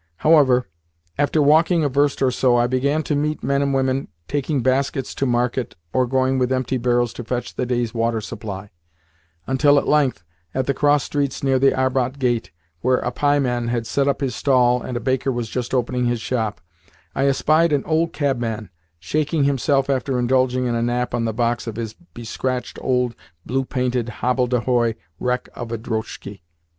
However, after walking a verst or so I began to meet men and women taking baskets to market or going with empty barrels to fetch the day's water supply; until at length, at the cross streets near the Arbat Gate, where a pieman had set up his stall and a baker was just opening his shop, I espied an old cabman shaking himself after indulging in a nap on the box of his be scratched old blue painted, hobble de hoy wreck of a drozhki.